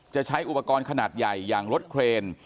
จะใช้อุปกรณ์ขนาดใหญ่อย่างรถเครน